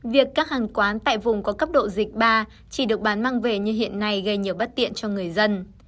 việc các hàng quán tại vùng có cấp độ dịch ba chỉ được bán mang về như hiện nay gây nhiều bất tiện cho người dân